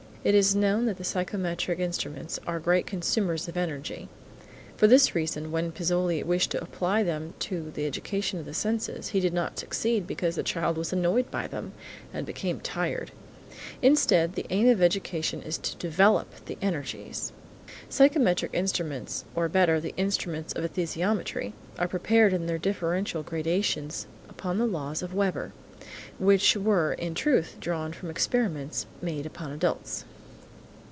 It is known that the psychometric instruments are great consumers of energy –for this reason, when Pizzoli wished to apply them to the education of the senses, he did not succeed because the child was annoyed by them, and became tired. Instead, the aim of education is to develop the energies. Psychometric instruments, or better, the instruments of esthesiometry, are prepared in their differential gradations upon the laws of Weber, which were in truth drawn from experiments made upon adults.